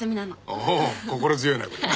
おお心強いなこれは。